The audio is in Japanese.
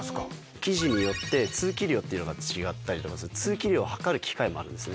生地によって通気量っていうのが違ったりとかするので、通気量を測る機械もあるんですね。